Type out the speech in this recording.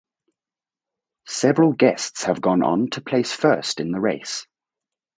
Several guests have gone on to place first in the race.